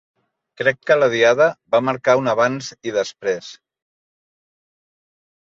Crec que la Diada va marcar un abans i després.